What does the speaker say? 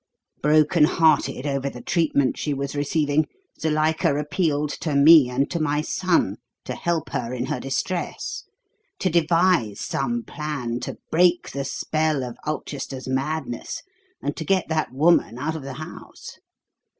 Broken hearted over the treatment she was receiving, Zuilika appealed to me and to my son to help her in her distress to devise some plan to break the spell of Ulchester's madness and to get that woman out of the house.